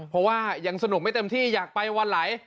เพราะว่ายังสนุกไม่เต็มที่อยากไปวันไหล